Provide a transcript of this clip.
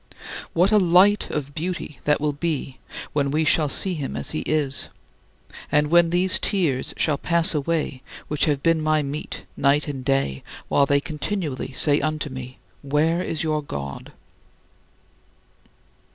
What a light of beauty that will be when "we shall see him as he is"! and when these tears shall pass away which "have been my meat day and night, while they continually say unto me, 'Where is your God?'"